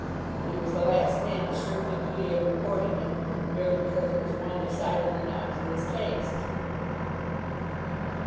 But he was the last man to shirk the duty of reporting him, merely because it was one decidedly not to his taste.